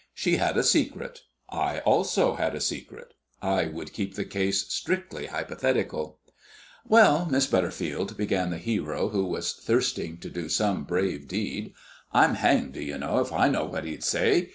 She had a secret I also had a secret. I would keep the case strictly hypothetical. "Well, Miss Butterfield," began the hero who was thirsting to do some brave deed, "I'm hanged, do you know, if I know what he'd say.